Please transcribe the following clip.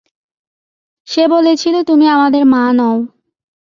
সে বলেছিল তুমি আমাদের মা নও।